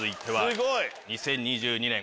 ２０２２年。